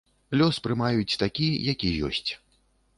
Лёс прымаюць такі, які ёсць.